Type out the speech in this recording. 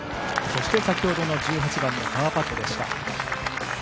そして先ほどの１８番のパーパットでした。